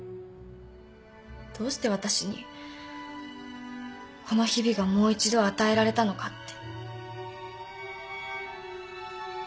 どうして私にこの日々がもう一度与えられたのかって。